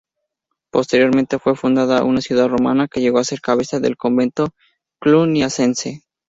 Posteriormente fue fundada una ciudad romana que llegó a ser cabeza del Convento Cluniacense.